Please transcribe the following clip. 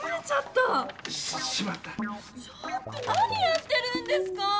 ちょっと何やってるんですか！